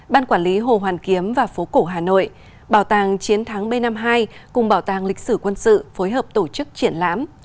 ban quản lý hồ hoàn kiếm và phố cổ hà nội bảo tàng chiến thắng b năm mươi hai cùng bảo tàng lịch sử quân sự phối hợp tổ chức triển lãm